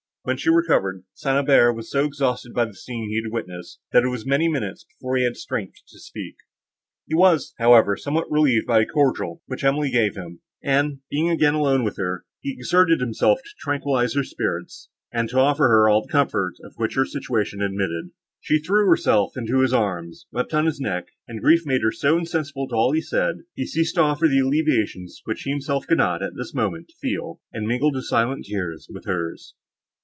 When she recovered, St. Aubert was so exhausted by the scene he had witnessed, that it was many minutes before he had strength to speak; he was, however, somewhat revived by a cordial, which Emily gave him; and, being again alone with her, he exerted himself to tranquilize her spirits, and to offer her all the comfort of which her situation admitted. She threw herself into his arms, wept on his neck, and grief made her so insensible to all he said, that he ceased to offer the alleviations, which he himself could not, at this moment, feel, and mingled his silent tears with hers.